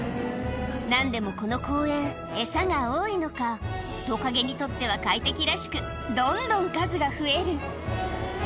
なんでもこの公園、餌が多いのか、トカゲにとっては快適らしく、どんどん数が増える。